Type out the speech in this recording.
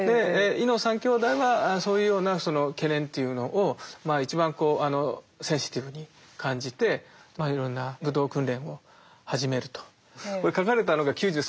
伊能三兄弟はそういうような懸念というのを一番センシティブに感じていろんな武闘訓練を始めると。